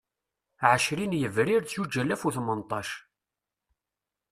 Ɛecrin Yebrir Zuǧ alas u Tmenṭac